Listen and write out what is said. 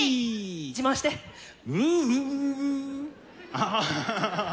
アハハハ！